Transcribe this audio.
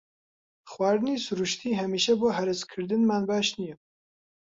خواردنی سروشتی هەمیشە بۆ هەرسکردنمان باش نییە.